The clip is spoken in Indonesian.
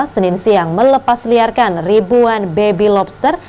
senin siang melepas liarkan ribuan baby lobster